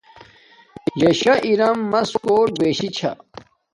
یا شا ارمس کوت بِشی چھس